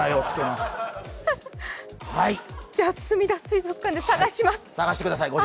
すみだ水族館で探します。